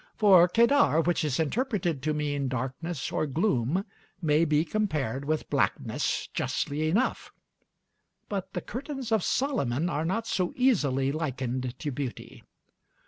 For Kedar, which is interpreted to mean "darkness" or "gloom," may be compared with blackness justly enough; but the curtains of Solomon are not so easily likened to beauty.